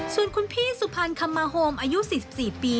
ส่วนคุณพี่สุพรรณคำมาโฮมอายุ๔๔ปี